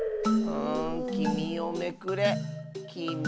きみをめくれきみ？